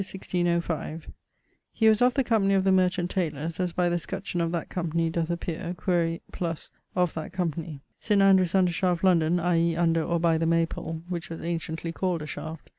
He was of the company of the Merchant Taylors, as by the scutcheon of that company doeth appeare quaere + of that company. St. Andrewes Undershaft, London, i.e. under, or by, the Maypole, which was anciently called a shaft.